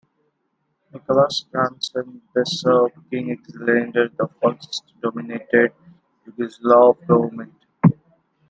Nicholas's grandson, the Serb King Alexander the First, dominated the Yugoslav government.